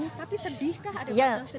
tapi sedihkah ada perasaan sedih